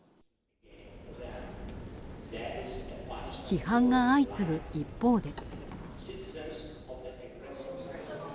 批判が相次ぐ一方で。